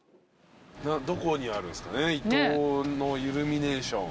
どこにあるんすかね伊東のイルミネーション。